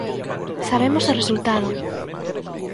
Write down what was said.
Sabemos o resultado.